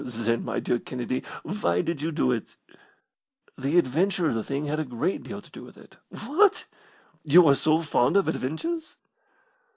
"Then, my dear Kennedy, why did you do it?" "The adventure of the thing had a great deal to do with it." "What! You are so fond of adventures!"